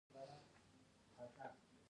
د نویو افقونو په لور.